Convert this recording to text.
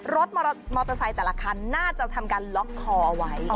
รถมอเตอร์ไซค์แต่ละคันน่าจะทำการล็อกคอเอาไว้